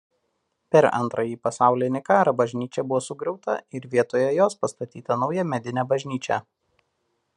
Per Antrąjį pasaulinį karą bažnyčia buvo sugriauta ir vietoje jos pastatyta nauja medinė bažnyčia.